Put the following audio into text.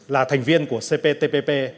là thành viên của cptpp